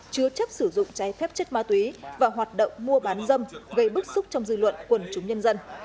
chứa chấp sử dụng cháy phép chất ma túy và hoạt động mua bán dâm gây bức xúc trong dư luận quần chúng nhân dân